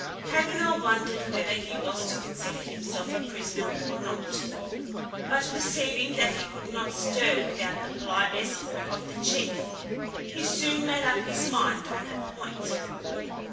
Paganel wondered whether he was to consider himself a prisoner or not. But perceiving that he could not stir without the polite escort of the chief, he soon made up his mind on that point.